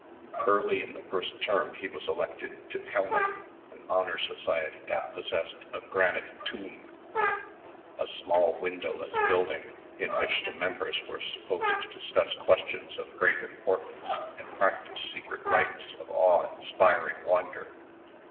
Early in the first term he was elected to Helmer, an honor society that possessed a granite "tomb," a small windowless building in which the members were supposed to discuss questions of great importance and practice secret rites of awe inspiring wonder.